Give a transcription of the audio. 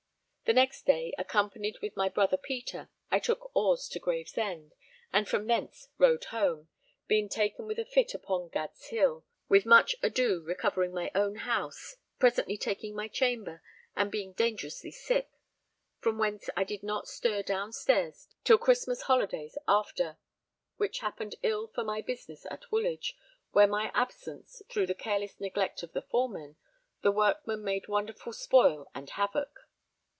The next day, accompanied with my brother Peter, I took oars to Gravesend, and from thence rode home, being taken with a fit upon Gad's Hill, with much ado recovering my own house, presently taking my chamber, and being dangerously sick; from whence I did not stir down stairs till Christmas holidays after; which happened ill for my business at Woolwich, where in my absence, through the careless neglect of the foremen, the workmen made wonderful spoil and havoc.